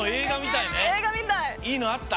いいのあった？